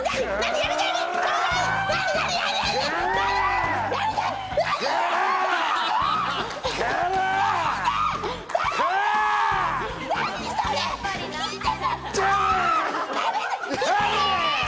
やめて！